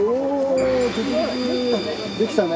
できたね。